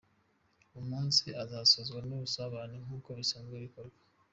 Uwo munsi uzasozwa n’ubusabane nk’uko bisanzwe bikorwa.